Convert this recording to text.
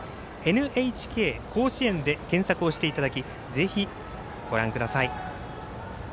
ＮＨＫ甲子園で検索をしていただきぜひご覧ください。